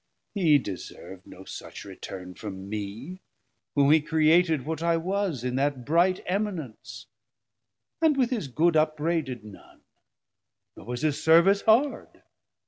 he deservd no such return From me, whom he created what I was In that bright eminence, and with his good Upbraided none; nor was his service hard.